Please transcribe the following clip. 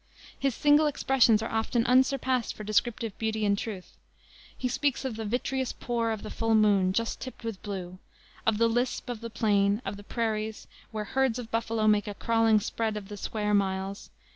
His single expressions are often unsurpassed for descriptive beauty and truth. He speaks of "the vitreous pour of the full moon, just tinged with blue," of the "lisp" of the plane, of the prairies, "where herds of buffalo make a crawling spread of the square miles."